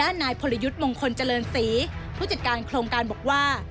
นายพลยุทธ์มงคลเจริญศรีผู้จัดการโครงการบอกว่า